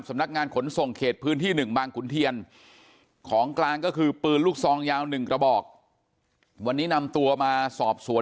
สำนักงานขนส่งเขตพื้นที่๑บางขุนเทียนของกลางก็คือปืนลูกซองยาว๑กระบอกวันนี้นำตัวมาสอบสวน